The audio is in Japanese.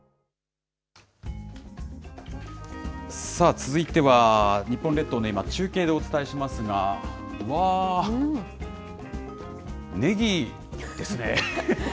続いては、日本列島の今を中継でお伝えしますが、わー、ねぎですね。